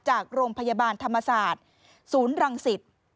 จากโรงพยาบาลธรรมศาสตร์ศูนย์รังสิต